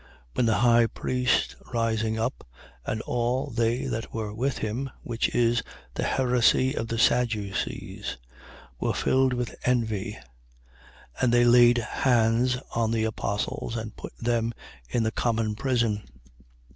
5:17. Then the high priest rising up, and all they that were with him (which is the heresy of the Sadducees) were filled with envy. 5:18. And they laid hands on the apostles and put them in the common prison.